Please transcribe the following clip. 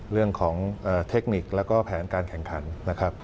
เรื่องของเทคนิคแล้วก็แผนการแข่งขันนะครับ